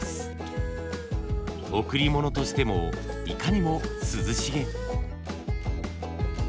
贈り物としてもいかにも涼しげ。